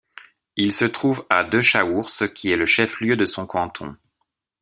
Il se trouve à de Chaource qui est le chef-lieu de son canton.